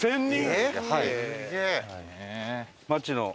はい。